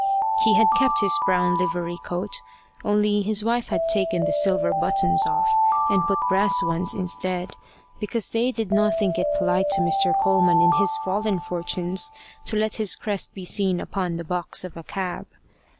He had kept his brown livery coat, only his wife had taken the silver buttons off and put brass ones instead, because they did not think it polite to Mr. Coleman in his fallen fortunes to let his crest be seen upon the box of a cab.